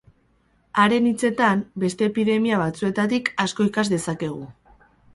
Haren hitzetan beste epidemia batzuetatik asko ikas dezakegu.